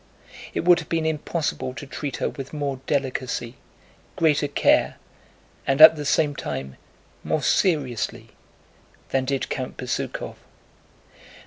It would have been impossible to treat her with more delicacy, greater care, and at the same time more seriously than did Count Bezúkhov.